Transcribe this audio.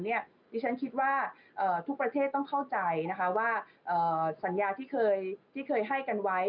ดิฉันคิดว่าทุกประเทศต้องเข้าใจนะคะว่าสัญญาที่เคยให้กันไว้